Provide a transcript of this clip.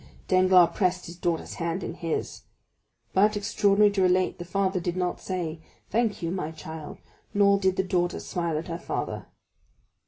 Danglars pressed his daughter's hand in his. But, extraordinary to relate, the father did not say, "Thank you, my child," nor did the daughter smile at her father.